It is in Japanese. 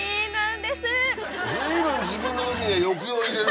随分自分のときには。